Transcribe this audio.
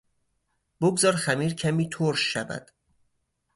بگذار خمیر کمی ترش شود.